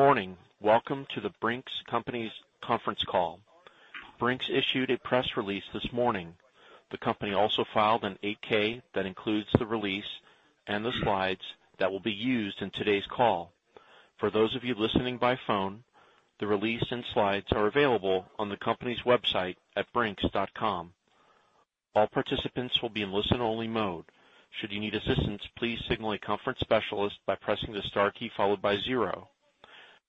Good morning. Welcome to The Brink's Company's conference call. Brink's issued a press release this morning. The company also filed an 8-K that includes the release and the slides that will be used in today's call. For those of you listening by phone, the release and slides are available on the company's website at brinks.com. All participants will be in listen-only mode. Should you need assistance, please signal a conference specialist by pressing the star key followed by zero.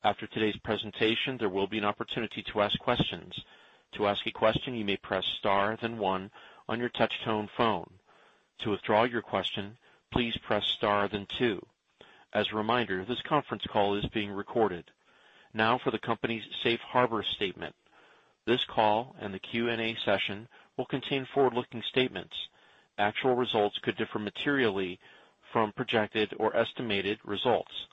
After today's presentation, there will be an opportunity to ask questions. To ask a question, you may press star then one on your touch-tone phone. To withdraw your question, please press star then two. As a reminder, this conference call is being recorded. For the company's Safe Harbor statement. This call and the Q&A session will contain forward-looking statements. Actual results could differ materially from projected or estimated results.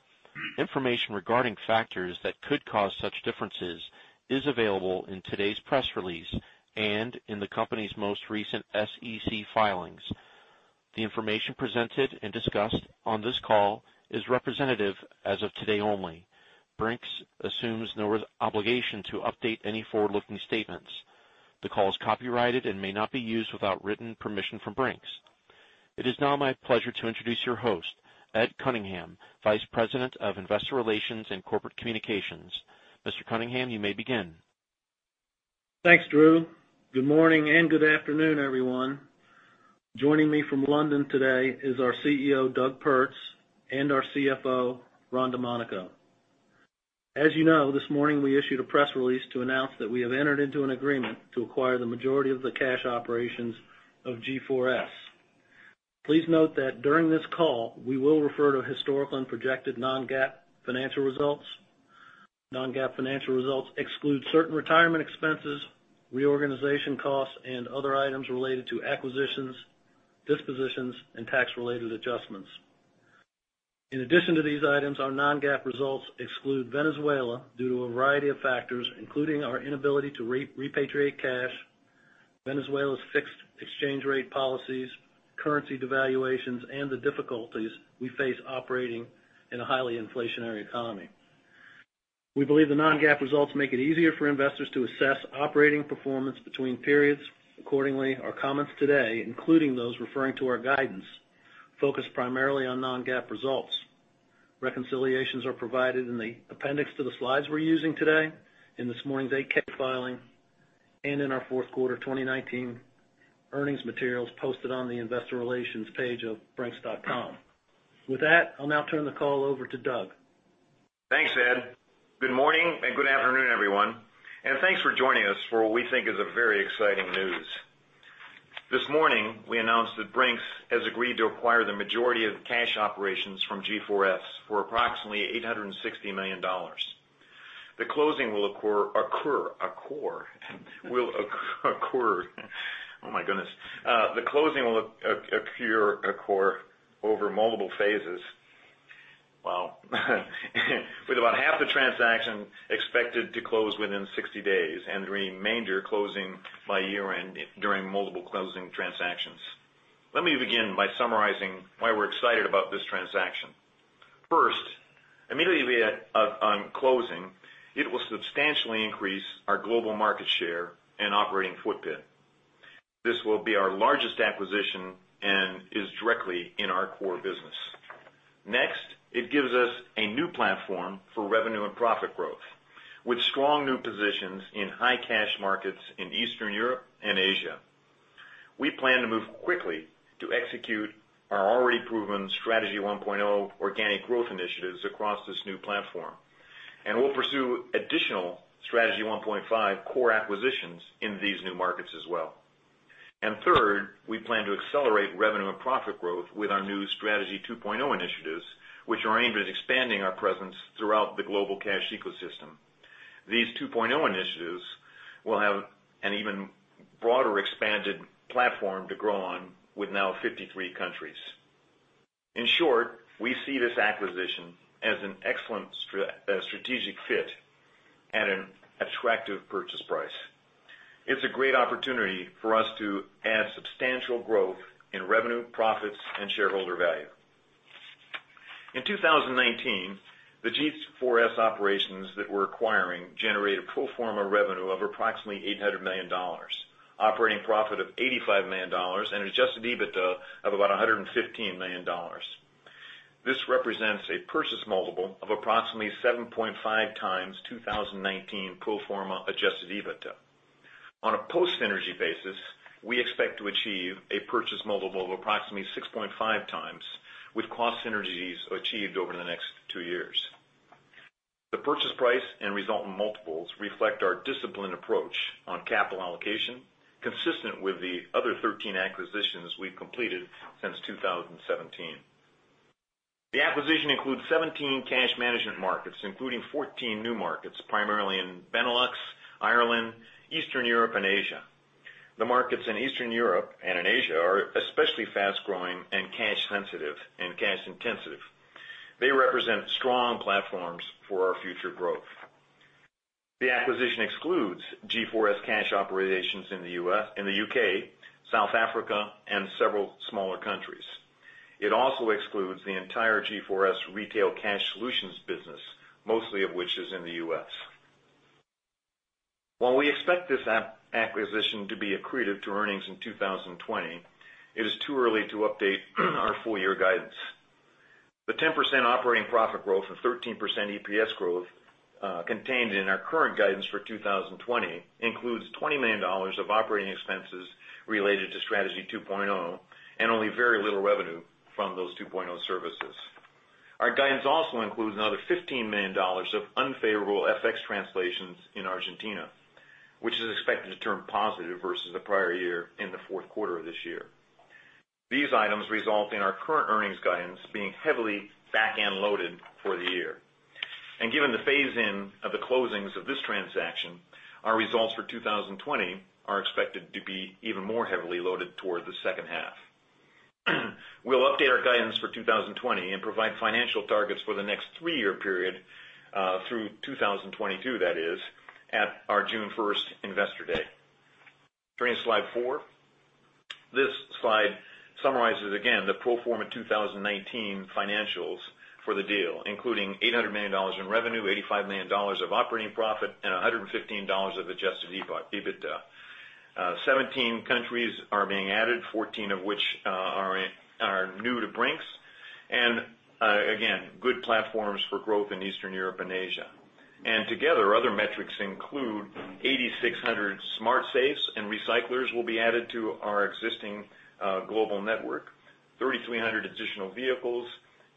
Information regarding factors that could cause such differences is available in today's press release and in the company's most recent SEC filings. The information presented and discussed on this call is representative as of today only. Brink's assumes no obligation to update any forward-looking statements. The call is copyrighted and may not be used without written permission from Brink's. It is now my pleasure to introduce your host, Ed Cunningham, Vice President of Investor Relations and Corporate Communications. Mr. Cunningham, you may begin. Thanks, Drew. Good morning and good afternoon, everyone. Joining me from London today is our CEO, Doug Pertz, and our CFO, Ron Domanico. As you know, this morning we issued a press release to announce that we have entered into an agreement to acquire the majority of the cash operations of G4S. Please note during this call, we will refer to historical and projected non-GAAP financial results. Non-GAAP financial results exclude certain retirement expenses, reorganization costs, and other items related to acquisitions, dispositions, and tax-related adjustments. In addition to these items, our non-GAAP results exclude Venezuela due to a variety of factors, including our inability to repatriate cash, Venezuela's fixed exchange rate policies, currency devaluations, and the difficulties we face operating in a highly inflationary economy. We believe the non-GAAP results make it easier for investors to assess operating performance between periods. Accordingly, our comments today, including those referring to our guidance, focus primarily on non-GAAP results. Reconciliations are provided in the appendix to the slides we're using today, in this morning's 8-K filing, and in our fourth quarter 2019 earnings materials posted on the Investor Relations page of brinks.com. With that, I'll now turn the call over to Doug. Thanks, Ed. Good morning and good afternoon, everyone, and thanks for joining us for what we think is a very exciting news. This morning, we announced that Brink's has agreed to acquire the majority of the cash operations from G4S for approximately $860 million. The closing will occur over multiple phases, with about half the transaction expected to close within 60 days, and the remainder closing by year end during multiple closing transactions. Let me begin by summarizing why we're excited about this transaction. First, immediately on closing, it will substantially increase our global market share and operating footprint. This will be our largest acquisition and is directly in our core business. Next, it gives us a new platform for revenue and profit growth, with strong new positions in high cash markets in Eastern Europe and Asia. We plan to move quickly to execute our already proven Strategy 1.0 organic growth initiatives across this new platform, and we'll pursue additional Strategy 1.5 core acquisitions in these new markets as well. Third, we plan to accelerate revenue and profit growth with our new Strategy 2.0 initiatives, which are aimed at expanding our presence throughout the global cash ecosystem. These 2.0 initiatives will have an even broader expanded platform to grow on with now 53 countries. In short, we see this acquisition as an excellent strategic fit at an attractive purchase price. It's a great opportunity for us to add substantial growth in revenue, profits, and shareholder value. In 2019, the G4S operations that we're acquiring generated pro forma revenue of approximately $800 million, operating profit of $85 million, and Adjusted EBITDA of about $115 million. This represents a purchase multiple of approximately 7.5x 2019 pro forma Adjusted EBITDA. On a post-synergy basis, we expect to achieve a purchase multiple of approximately 6.5x with cost synergies achieved over the next two years. The purchase price and resultant multiples reflect our disciplined approach on capital allocation, consistent with the other 13 acquisitions we've completed since 2017. The acquisition includes 17 cash management markets, including 14 new markets, primarily in Benelux, Ireland, Eastern Europe, and Asia. The markets in Eastern Europe and in Asia are especially fast-growing and cash sensitive and cash intensive. They represent strong platforms for our future growth. The acquisition excludes G4S cash operations in the U.S., in the U.K., South Africa, and several smaller countries. It also excludes the entire G4S retail cash solutions business, mostly of which is in the U.S. While we expect this acquisition to be accretive to earnings in 2020, it is too early to update our full-year guidance. The 10% operating profit growth and 13% EPS growth contained in our current guidance for 2020 includes $20 million of operating expenses related to Strategy 2.0, and only very little revenue from those 2.0 services. Our guidance also includes another $15 million of unfavorable FX translations in Argentina, which is expected to turn positive versus the prior year in the fourth quarter of this year. These items result in our current earnings guidance being heavily back-end loaded for the year. Given the phase-in of the closings of this transaction, our results for 2020 are expected to be even more heavily loaded toward the second half. We'll update our guidance for 2020 and provide financial targets for the next three-year period, through 2022 that is, at our June 1st Investor Day. Turning to slide four. This slide summarizes again the pro forma 2019 financials for the deal, including $800 million in revenue, $85 million of operating profit, and $115 of Adjusted EBITDA. 17 countries are being added, 14 of which are new to Brink's. Again, good platforms for growth in Eastern Europe and Asia. Together, other metrics include 8,600 smart safes and recyclers will be added to our existing global network, 3,300 additional vehicles,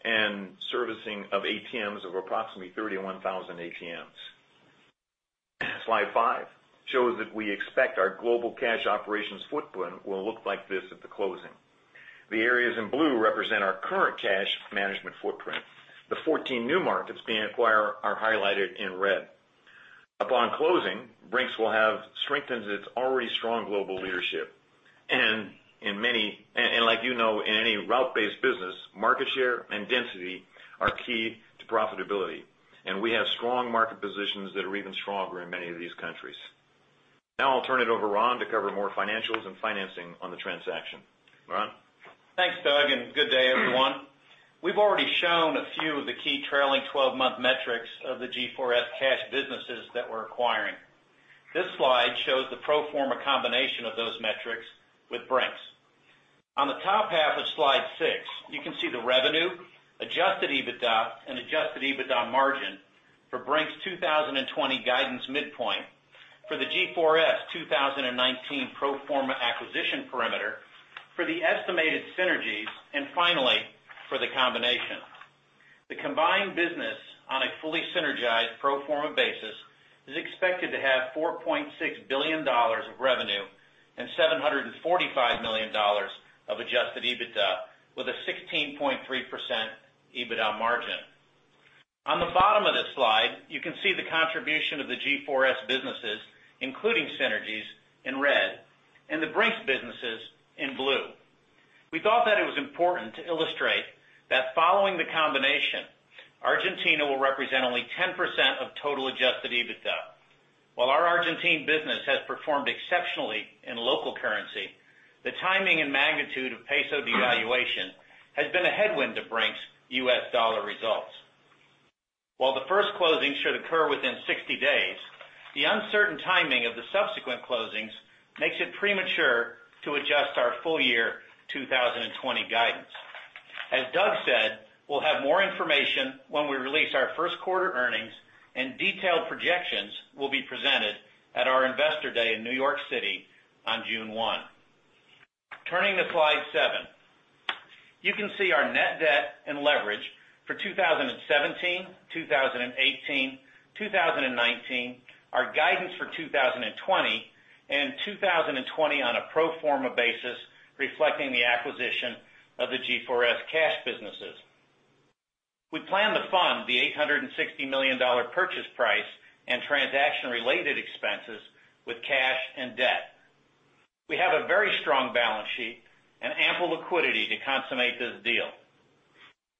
and servicing of ATMs of approximately 31,000 ATMs. Slide five shows that we expect our global cash operations footprint will look like this at the closing. The areas in blue represent our current cash management footprint. The 14 new markets being acquired are highlighted in red. Upon closing, Brink's will have strengthened its already strong global leadership. Like you know, in any route-based business, market share and density are key to profitability, and we have strong market positions that are even stronger in many of these countries. Now, I'll turn it over Ron to cover more financials and financing on the transaction. Ron? Thanks, Doug, and good day, everyone. We've already shown a few of the key trailing 12-month metrics of the G4S cash businesses that we're acquiring. This slide shows the pro forma combination of those metrics with Brink's. On the top half of slide six, you can see the revenue, Adjusted EBITDA, and Adjusted EBITDA margin for Brink's 2020 guidance midpoint for the G4S 2019 pro forma acquisition perimeter for the estimated synergies, and finally, for the combination. The combined business on a fully synergized pro forma basis is expected to have $4.6 billion of revenue and $745 million of Adjusted EBITDA with a 16.3% EBITDA margin. On the bottom of this slide, you can see the contribution of the G4S businesses, including synergies in red, and the Brink's businesses in blue. We thought that it was important to illustrate that following the combination, Argentina will represent only 10% of total Adjusted EBITDA. While our Argentine business has performed exceptionally in local currency, the timing and magnitude of peso devaluation has been a headwind to Brink's U.S. dollar results. While the first closing should occur within 60 days, the uncertain timing of the subsequent closings makes it premature to adjust our full-year 2020 guidance. As Doug said, we'll have more information when we release our first quarter earnings, and detailed projections will be presented at our Investor Day in New York City on June 1. Turning to slide seven. You can see our net debt and leverage for 2017, 2018, 2019, our guidance for 2020, and 2020 on a pro forma basis reflecting the acquisition of the G4S cash businesses. We plan to fund the $860 million purchase price and transaction-related expenses with cash and debt. We have a very strong balance sheet and ample liquidity to consummate this deal.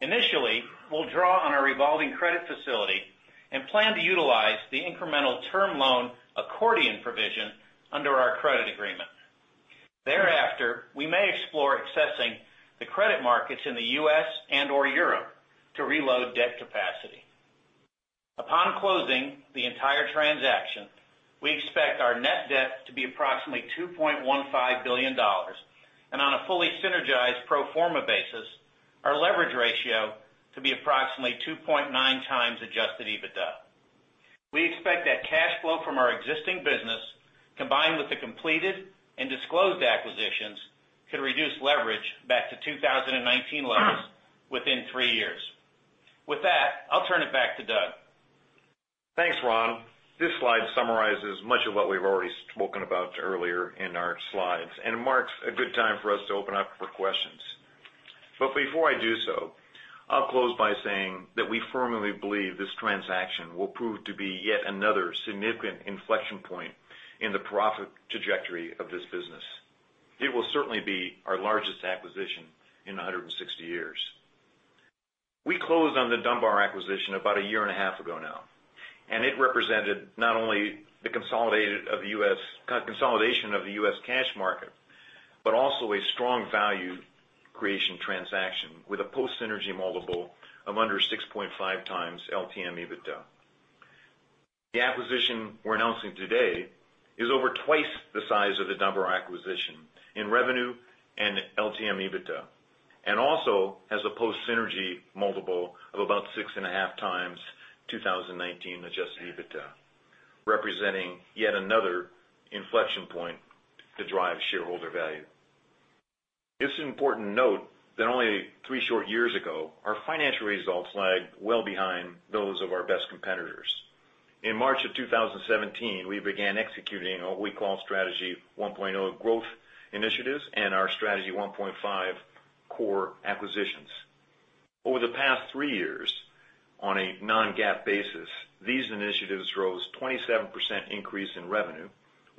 Initially, we'll draw on our revolving credit facility and plan to utilize the incremental term loan accordion provision under our credit agreement. Thereafter, we may explore accessing the credit markets in the U.S. and/or Europe to reload debt capacity. Upon closing the entire transaction, we expect our net debt to be approximately $2.15 billion, and on a fully synergized pro forma basis, our leverage ratio to be approximately 2.9x Adjusted EBITDA. We expect that cash flow from our existing business, combined with the completed and disclosed acquisitions, could reduce leverage back to 2019 levels within three years. With that, I'll turn it back to Doug. Thanks, Ron. This slide summarizes much of what we've already spoken about earlier in our slides and marks a good time for us to open up for questions. Before I do so, I'll close by saying that we firmly believe this transaction will prove to be yet another significant inflection point in the profit trajectory of this business. It will certainly be our largest acquisition in 160 years. We closed on the Dunbar acquisition about a year and a half ago now, and it represented not only the consolidation of the U.S. cash market, but also a strong value creation transaction with a post-synergy multiple of under 6.5x LTM EBITDA. The acquisition we're announcing today is over twice the size of the Dunbar acquisition in revenue and LTM EBITDA, and also has a post-synergy multiple of about 6.5x 2019 Adjusted EBITDA, representing yet another inflection point to drive shareholder value. It's important to note that only three short years ago, our financial results lagged well behind those of our best competitors. In March of 2017, we began executing what we call Strategy 1.0 growth initiatives and our Strategy 1.5 core acquisitions. Over the past three years, on a non-GAAP basis, these initiatives rose 27% in revenue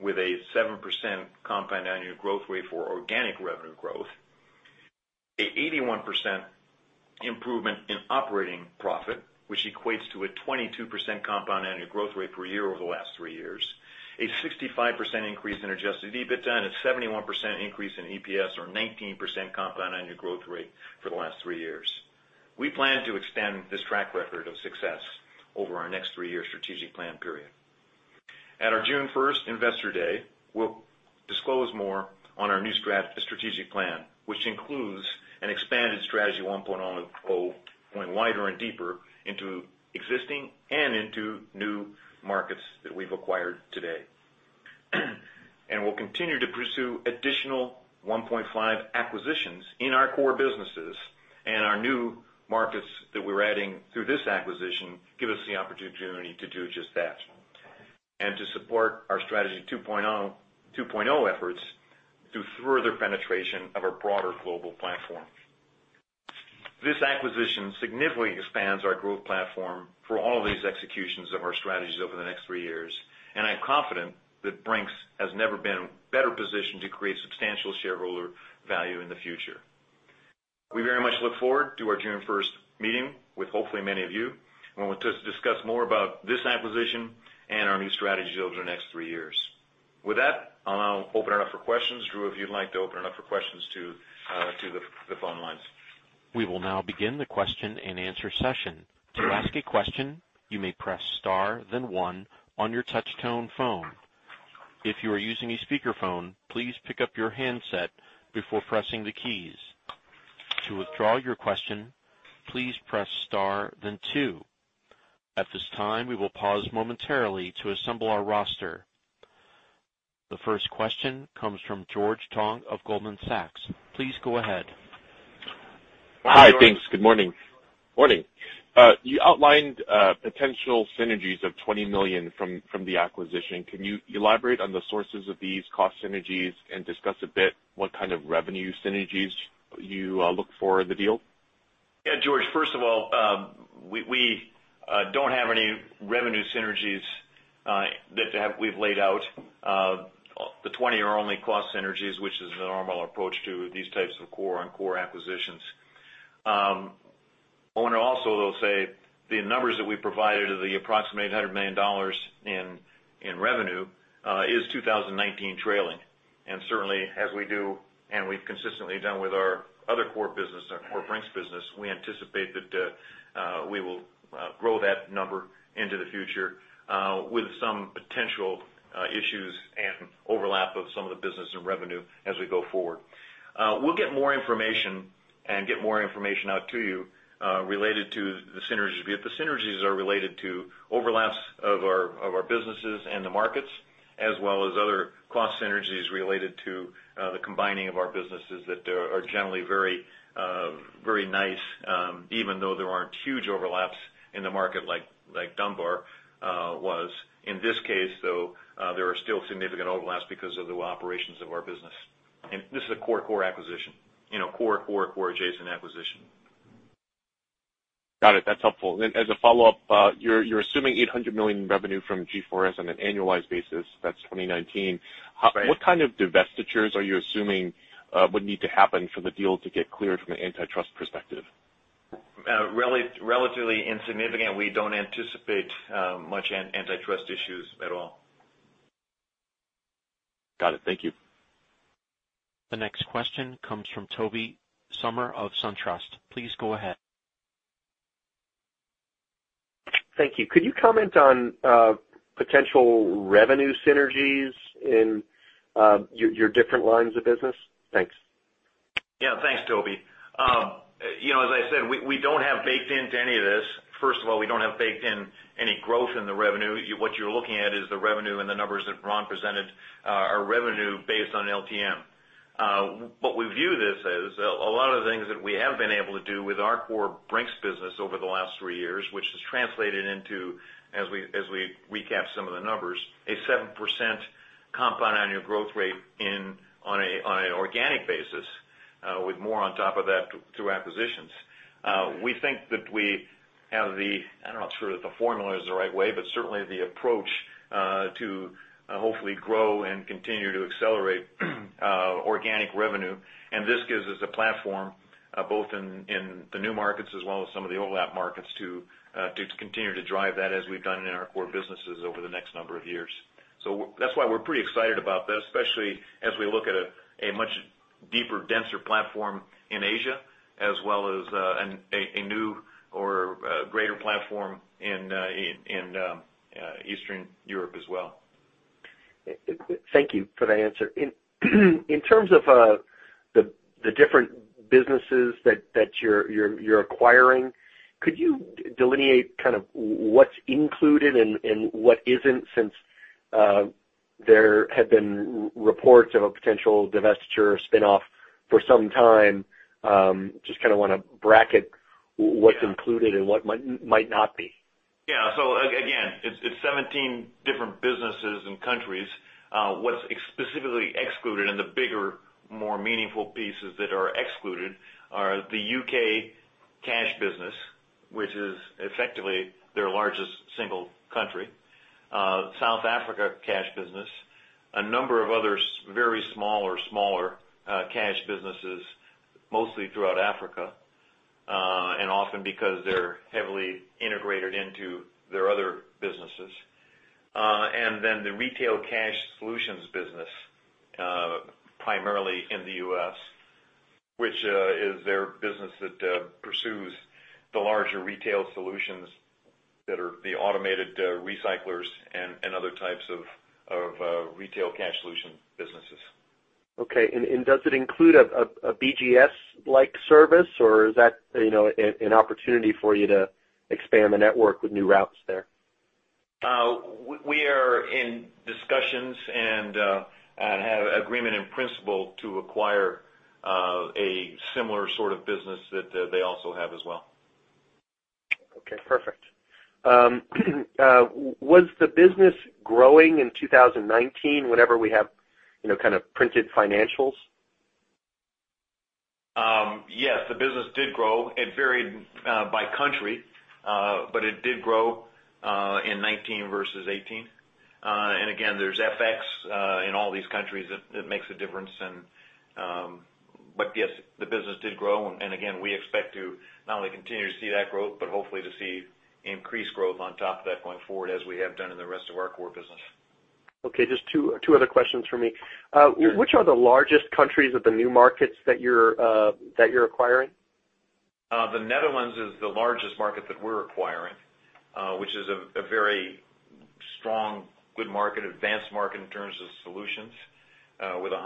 with a 7% compound annual growth rate for organic revenue growth, an 81% improvement in operating profit, which equates to a 22% compound annual growth rate per year over the last three years, a 65% increase in Adjusted EBITDA, and a 71% increase in EPS or 19% compound annual growth rate for the last three years. We plan to extend this track record of success over our next three-year strategic plan period. At our June 1st Investor Day, we'll disclose more on our new strategic plan, which includes an expanded Strategy 1.0, going wider and deeper into existing and into new markets that we've acquired today. We'll continue to pursue additional 1.5 acquisitions in our core businesses and our new markets that we're adding through this acquisition give us the opportunity to do just that, and to support our Strategy 2.0 efforts through further penetration of our broader global platform. This acquisition significantly expands our growth platform for all these executions of our strategies over the next three years, and I am confident that Brink's has never been better positioned to create substantial shareholder value in the future. We very much look forward to our June 1st meeting with hopefully many of you, when we'll discuss more about this acquisition and our new strategies over the next three years. With that, I'll now open it up for questions. Drew, if you'd like to open it up for questions to the phone lines. We will now begin the question-and-answer session. To ask a question, you may press star then one on your touch-tone phone. If you are using a speakerphone, please pick up your handset before pressing the keys. To withdraw your question, please press star then two. At this time, we will pause momentarily to assemble our roster. The first question comes from George Tong of Goldman Sachs. Please go ahead. Hi, thanks. Good morning. You outlined potential synergies of $20 million from the acquisition. Can you elaborate on the sources of these cost synergies and discuss a bit what kind of revenue synergies you look for in the deal? George, first of all, we don't have any revenue synergies that we've laid out. The $20 million are only cost synergies, which is the normal approach to these types of core-on-core acquisitions. I want to also though say, the numbers that we provided of the approximate $800 million in revenue, is 2019 trailing. Certainly as we do and we've consistently done with our other core Brink's business, we anticipate that we will grow that number into the future with some potential issues and overlap of some of the business and revenue as we go forward. We'll get more information out to you related to the synergies. The synergies are related to overlaps of our businesses and the markets, as well as other cost synergies related to the combining of our businesses that are generally very nice, even though there aren't huge overlaps in the market like Dunbar was. In this case, though, there are still significant overlaps because of the operations of our business. This is a core acquisition. Core adjacent acquisition. Got it. That's helpful. As a follow-up, you're assuming $800 million in revenue from G4S on an annualized basis. That's 2019. What kind of divestitures are you assuming would need to happen for the deal to get cleared from an antitrust perspective? Relatively insignificant. We don't anticipate much antitrust issues at all. Got it. Thank you. The next question comes from Tobey Sommer of SunTrust. Please go ahead. Thank you. Could you comment on potential revenue synergies in your different lines of business? Thanks. Thanks, Tobey. As I said, we don't have baked into any of this. First of all, we don't have baked in any growth in the revenue. What you're looking at is the revenue and the numbers that Ron presented are revenue based on LTM. What we view this as, a lot of the things that we have been able to do with our core Brink's business over the last three years, which has translated into, as we recap some of the numbers, a 7% compound annual growth rate on an organic basis with more on top of that through acquisitions. We think that we have the, I'm not sure that the formula is the right way, certainly the approach to hopefully grow and continue to accelerate organic revenue. This gives us a platform, both in the new markets as well as some of the overlap markets, to continue to drive that as we've done in our core businesses over the next number of years. That's why we're pretty excited about this, especially as we look at a much deeper, denser platform in Asia, as well as a new or a greater platform in Eastern Europe as well. Thank you for that answer. In terms of the different businesses that you're acquiring, could you delineate what's included and what isn't, since there have been reports of a potential divestiture or spinoff for some time? Just kind of want to bracket what's included and what might not be. Again, it's 17 different businesses and countries. What's specifically excluded and the bigger, more meaningful pieces that are excluded are the U.K. cash business—which is effectively their largest single country—South Africa cash business, a number of other very small or smaller cash businesses—mostly throughout Africa, and often because they're heavily integrated into their other businesses—and the retail cash solutions business, primarily in the U.S., which is their business that pursues the larger retail solutions that are the automated recyclers and other types of retail cash solution businesses. Okay. Does it include a BGS-like service, or is that an opportunity for you to expand the network with new routes there? We are in discussions and have agreement in principle to acquire a similar sort of business that they also have as well. Perfect. Was the business growing in 2019 whenever we have kind of printed financials? Yes, the business did grow. It varied by country, but it did grow in 2019 versus 2018. Again, there's FX in all these countries that makes a difference, but yes, the business did grow and again, we expect to not only continue to see that growth, but hopefully to see increased growth on top of that going forward as we have done in the rest of our core business. Just two other questions from me. Which are the largest countries of the new markets that you're acquiring? The Netherlands is the largest market that we're acquiring, which is a very strong, good market, advanced market in terms of solutions, with a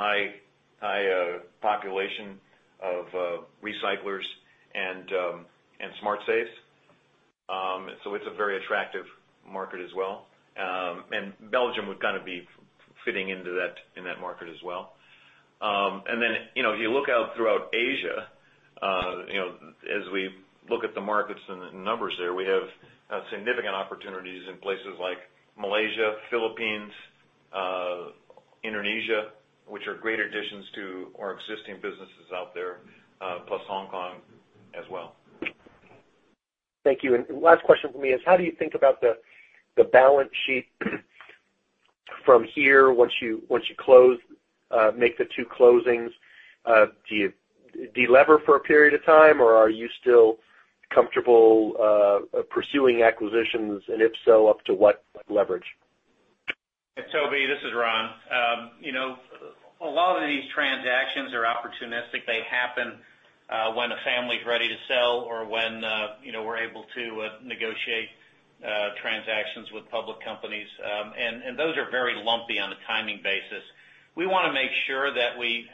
high population of recyclers and smart safes. It's a very attractive market as well. Belgium would kind of be fitting into that market as well. If you look out throughout Asia, as we look at the markets and the numbers there, we have significant opportunities in places like Malaysia, the Philippines, Indonesia, which are great additions to our existing businesses out there, plus Hong Kong as well. Thank you. Last question from me is, how do you think about the balance sheet from here once you make the two closings? Do you de-lever for a period of time, or are you still comfortable pursuing acquisitions, and if so, up to what leverage? Tobey, this is Ron. A lot of these transactions are opportunistic. They happen when a family's ready to sell or when we're able to negotiate transactions with public companies. Those are very lumpy on a timing basis. We want to make sure that we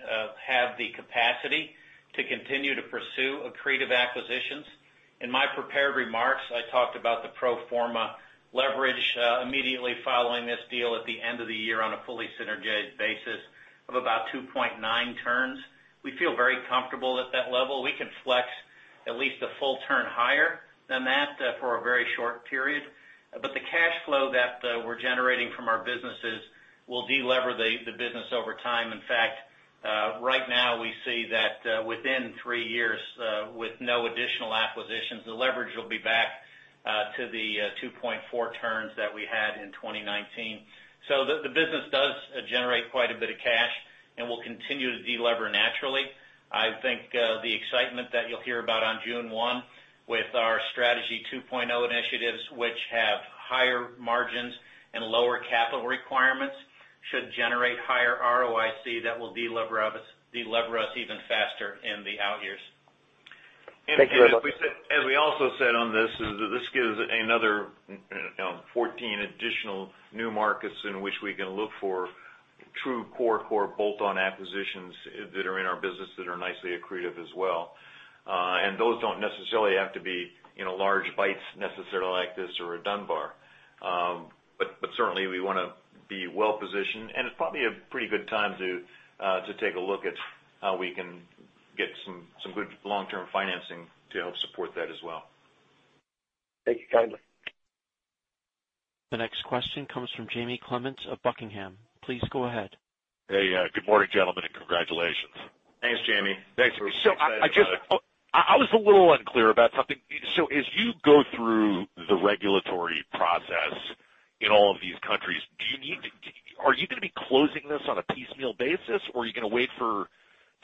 have the capacity to continue to pursue accretive acquisitions. In my prepared remarks, I talked about the pro forma leverage immediately following this deal at the end of the year on a fully synergized basis of about 2.9x. We feel very comfortable at that level. We can flex at least a full turn higher than that for a very short period. The cash flow that we're generating from our businesses will de-lever the business over time. Right now we see that within three years, with no additional acquisitions, the leverage will be back to the 2.4x that we had in 2019. The business does generate quite a bit of cash and will continue to de-lever naturally. I think the excitement that you'll hear about on June 1 with our Strategy 2.0 initiatives, which have higher margins and lower capital requirements, should generate higher ROIC that will de-lever us even faster in the out years. Thank you. As we also said on this is that this gives another 14 additional new markets in which we can look for true core bolt-on acquisitions that are in our business that are nicely accretive as well. Those don't necessarily have to be large bites necessarily like this or a Dunbar. Certainly we want to be well positioned, and it's probably a pretty good time to take a look at how we can get some good long-term financing to help support that as well. Thank you kindly. The next question comes from Jamie Clement of Buckingham. Please go ahead. Hey, good morning, gentlemen, and congratulations. Thanks, Jamie. I was a little unclear about something. As you go through the regulatory process in all of these countries, are you going to be closing this on a piecemeal basis, or are you going to wait to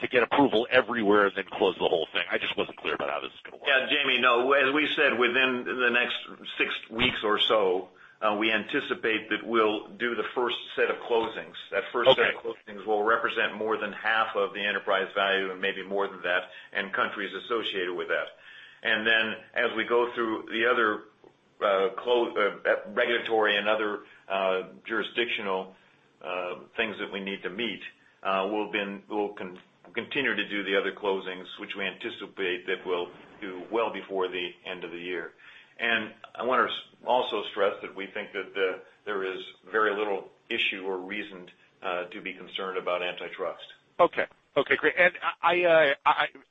get approval everywhere and then close the whole thing? I just wasn't clear about how this is going to work. Jamie, no, as we said, within the next six weeks or so, we anticipate that we'll do the first set of closings. That first set of closings will represent more than half of the enterprise value and maybe more than that, and countries associated with that. Then as we go through the other regulatory and other jurisdictional things that we need to meet, we'll continue to do the other closings, which we anticipate that we'll do well before the end of the year. I want to also stress that we think that there is very little issue or reason to be concerned about antitrust. Great. I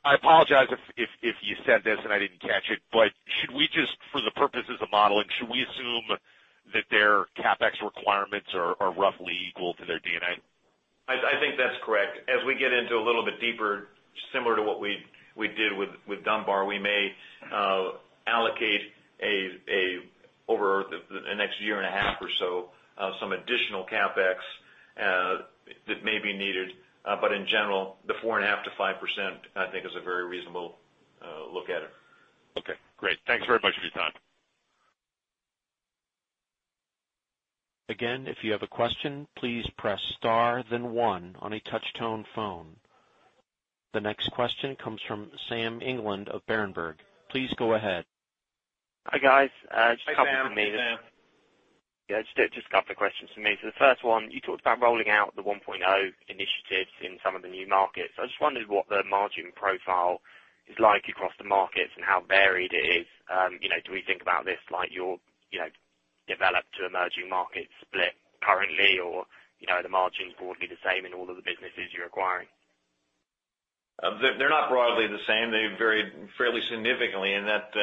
apologize if you said this and I didn't catch it, but should we just, for the purposes of modeling, should we assume that their CapEx requirements are roughly equal to their D&A? I think that's correct. As we get into a little bit deeper, similar to what we did with Dunbar, we may allocate, over the next year and a half or so, some additional CapEx that may be needed. But in general, the 4.5%-5%, I think is a very reasonable look at it. Great. Thanks very much for your time. Again, if you have a question, please press star then one on a touch-tone phone. The next question comes from Sam England of Berenberg. Please go ahead. Hi, guys. Hi, Sam. Hi, Sam. Just a couple of questions from me. The first one, you talked about rolling out the 1.0 initiatives in some of the new markets. I just wondered what the margin profile is like across the markets and how varied it is. Do we think about this like your developed to emerging markets split currently, or are the margins broadly the same in all of the businesses you're acquiring? They're not broadly the same. They vary fairly significantly, that's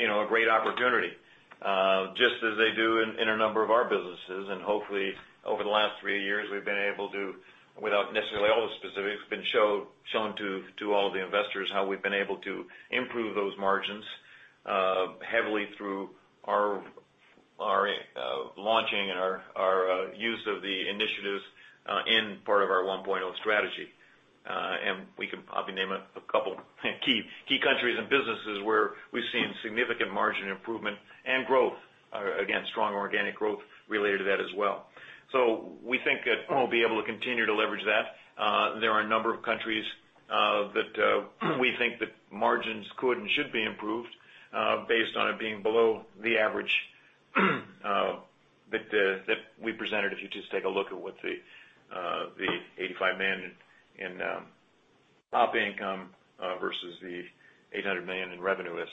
a great opportunity, just as they do in a number of our businesses. Hopefully, over the last three years, we've been able to, without necessarily all the specifics, shown to all the investors how we've been able to improve those margins heavily through our launching and our use of the initiatives in part of our Strategy 1.0. We can probably name a couple key countries and businesses where we've seen significant margin improvement and growth, again, strong organic growth related to that as well. We think that we'll be able to continue to leverage that. There are a number of countries that we think that margins could and should be improved based on it being below the average that we presented, if you just take a look at what the $85 million in operating income versus the $800 million in revenue is.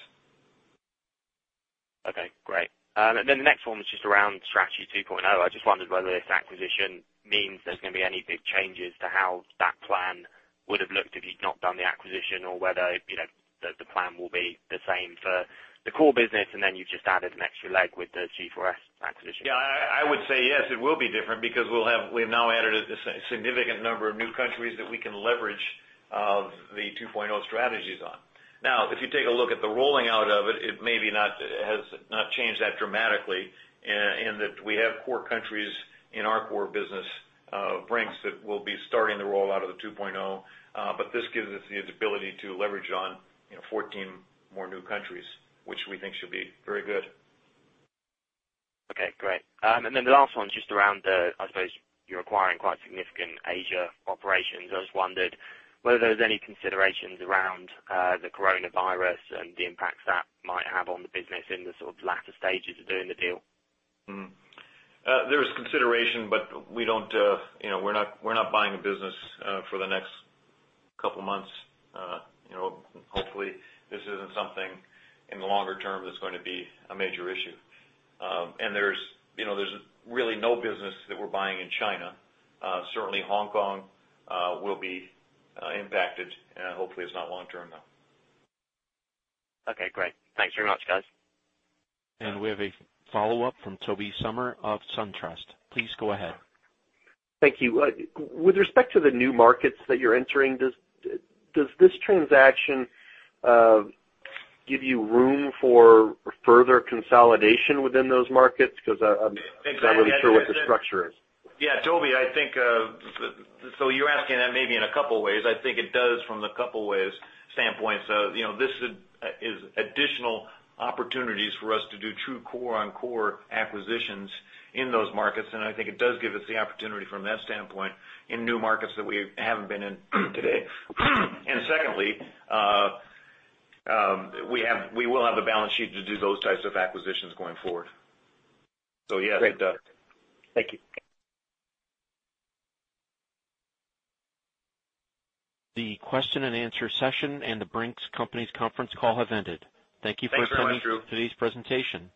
Great. The next one was just around Strategy 2.0. I just wondered whether this acquisition means there's going to be any big changes to how that plan would've looked if you'd not done the acquisition or whether the plan will be the same for the core business and then you've just added an extra leg with the G4S acquisition. I would say yes, it will be different because we've now added a significant number of new countries that we can leverage the Strategy 2.0 strategies on. If you take a look at the rolling out of it maybe has not changed that dramatically in that we have core countries in our core business, Brink's, that will be starting the rollout of the Strategy 2.0. This gives us the ability to leverage on 14 more new countries, which we think should be very good. Great. The last one is just around, I suppose you're acquiring quite significant Asia operations. I just wondered whether there was any considerations around the coronavirus and the impacts that might have on the business in the sort of latter stages of doing the deal. There was consideration, but we're not buying a business for the next couple of months. Hopefully, this isn't something in the longer term that's going to be a major issue. There's really no business that we're buying in China. Certainly, Hong Kong will be impacted, and hopefully it's not long-term, though. Great. Thanks very much, guys. We have a follow-up from Tobey Sommer of SunTrust. Please go ahead. Thank you. With respect to the new markets that you're entering, does this transaction give you room for further consolidation within those markets? Because I'm not really sure what the structure is. Tobey, you're asking that maybe in a couple of ways. I think it does from the couple ways standpoint. This is additional opportunities for us to do true core-on-core acquisitions in those markets, and I think it does give us the opportunity from that standpoint in new markets that we haven't been in today. Secondly, we will have a balance sheet to do those types of acquisitions going forward. Yes, it does. Thank you. The question-and-answer session and The Brink's Company's conference call have ended. Thanks everyone. Thank you for attending today's presentation.